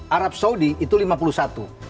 arab saudi itu lima puluh satu